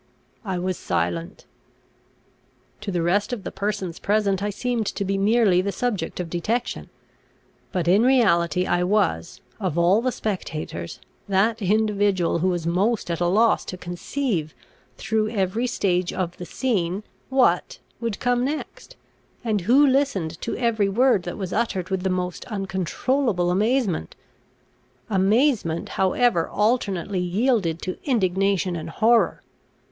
I was silent. To the rest of the persons present I seemed to be merely the subject of detection; but in reality I was, of all the spectators, that individual who was most at a loss to conceive, through every stage of the scene, what, would come next, and who listened to every word that was uttered with the most uncontrollable amazement. Amazement however alternately yielded to indignation and horror.